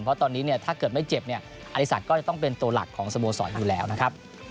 เพราะตอนนี้เนี่ยถ้าเกิดไม่เจ็บเนี่ยอริสักก็จะต้องเป็นตัวหลักของสโมสรอยู่แล้วนะครับ